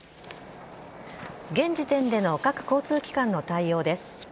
現時点での各交通機関の対応です。